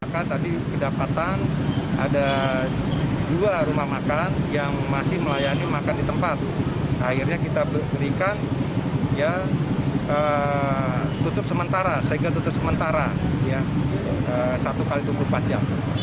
kedua warung makan tersebut kedapatan masih menyediakan fasilitas makan di tempat bagi konsumennya